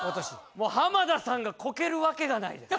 もう浜田さんがコケるわけがないです